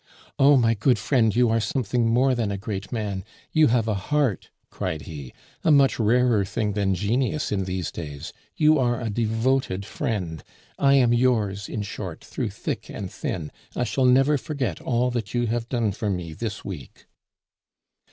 "Oh, my good friend, you are something more than a great man, you have a heart," cried he, "a much rarer thing than genius in these days. You are a devoted friend. I am yours, in short, through thick and thin; I shall never forget all that you have done for me this week."